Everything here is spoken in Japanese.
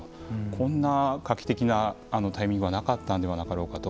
こんな画期的なタイミングはなかったんではなかろうかと。